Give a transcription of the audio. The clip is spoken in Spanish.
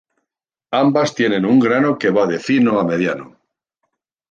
Ambas tienen un grano que va de fino a mediano.